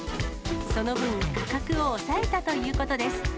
その分、価格を抑えたということです。